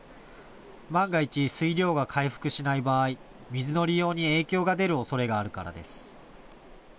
万が一、水量が回復しない場合、水の利用に影響が出るおそれがあるからです。